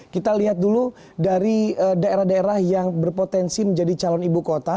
kita lihat dulu dari daerah daerah yang berpotensi menjadi calon ibu kota